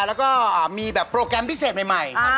แล้วก็มีแบบโปรแกรมพิเศษใหม่